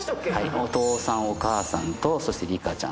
⁉お父さんお母さんとそしてリカちゃん。